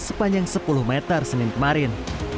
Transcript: sepanjang sepuluh meter senin kemarin